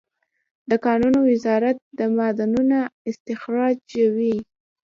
د کانونو وزارت معدنونه استخراجوي